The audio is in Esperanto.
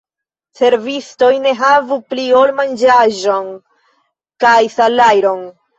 Servistoj ne havu pli ol manĝaĵon kaj salajron.